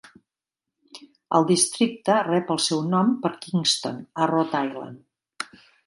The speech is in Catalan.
El districte rep el seu nom per Kingston, a Rhode Island.